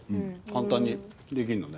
簡単にできるのね。